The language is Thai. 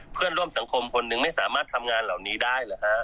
เพื่อนร่วมสังคมคนหนึ่งไม่สามารถทำงานเหล่านี้ได้หรือฮะ